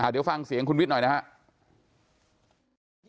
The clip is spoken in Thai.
เดี๋ยวฟังเสียงคุณวิทย์หน่อยนะครับ